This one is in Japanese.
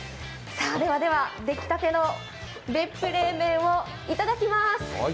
ではでは、出来立ての別府冷麺をいただきます。